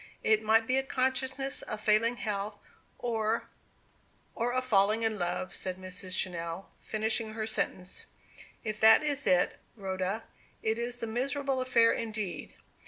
It might be a consciousness of failing health, or "Or of failing love," said Mr. Channell, finishing her sentence. "If that is it, Rhoda, it is a miserable affair indeed!